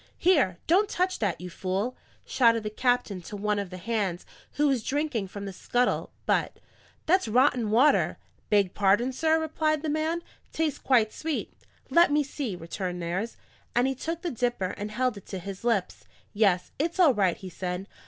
"Here! don't touch that, you fool!" shouted the captain to one of the hands, who was drinking from the scuttle but. "That water's rotten!" "Beg pardon, sir," replied the man. "Tastes quite sweet." "Let me see," returned Nares, and he took the dipper and held it to his lips. "Yes, it's all right," he said.